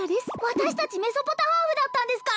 私達メソポタハーフだったんですか！？